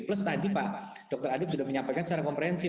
plus tadi pak dr adib sudah menyampaikan secara komprehensif